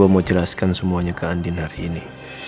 saya mau jelaskan semuanya ke andien hari ini